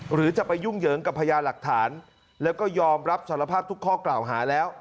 หรือจะไปยุ่งเหยิงกับพญาหลักฐานแล้วก็ยอมรับสารภาพทุกข้อกล่าวหาแล้ว